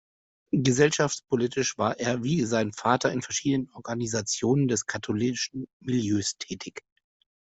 Gesellschaftspolitisch war er wie sein Vater in verschiedenen Organisationen des katholischen Milieus tätig.